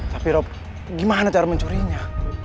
tapi rob gimana cara mencurinya